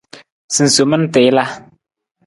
Sinsoman tiila.